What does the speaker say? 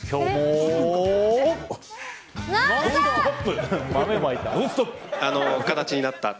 「ノンストップ！」。